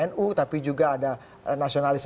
nu tapi juga ada nasionalis